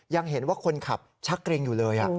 ยังเห็นว่าคนขับชักเกร็งอยู่เลย